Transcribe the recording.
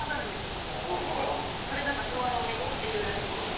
このこれなんかスワローネックっていうらしいんですけど。